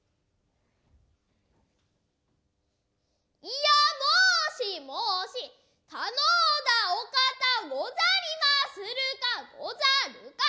いや申し申し頼うだ御方ござりまするかござるか。